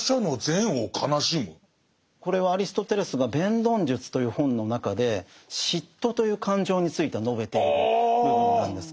これはアリストテレスが「弁論術」という本の中で嫉妬という感情について述べている部分なんです。